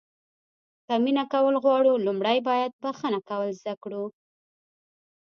که مینه کول غواړو لومړی باید بښنه کول زده کړو.